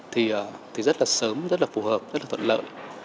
thì rất là sớm rất là phù hợp rất là thuận lợi